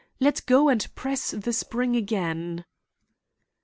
"Let go and press the spring again."